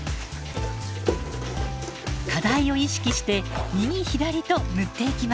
課題を意識して右左と塗っていきます。